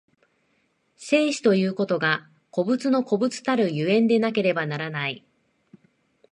生死ということが個物の個物たる所以でなければならない。